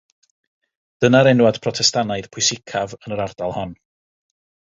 Dyna'r enwad Protestannaidd pwysicaf yn yr ardal hon.